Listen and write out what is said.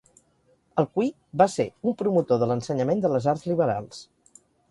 Alcuí va ser un promotor de l'ensenyament de les arts liberals.